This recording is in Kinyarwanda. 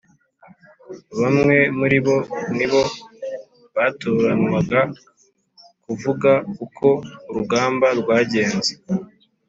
bamwe muribo nibo batoranywaga kuvuga uko urugamba rwagenze